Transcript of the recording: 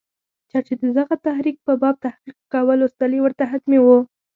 چا چې د دغه تحریک په باب تحقیق کاوه، لوستل یې ورته حتمي وو.